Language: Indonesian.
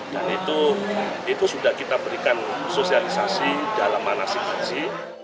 dan itu itu sudah kita berikan sosialisasi dalam mana sih haji